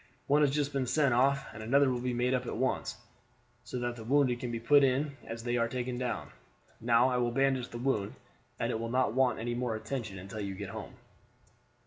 One has just been sent off, and another will be made up at once, so that the wounded can be put in it as they are taken down. Now I will bandage the wound, and it will not want any more attention until you get home."